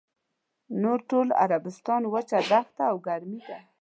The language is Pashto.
نور ټول عربستان وچه دښته او ګرمي ده.